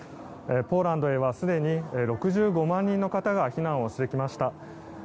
ポーランドへはすでに６５万人の方が避難してきました。